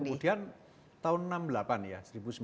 nah kemudian tahun seribu sembilan ratus enam puluh delapan ya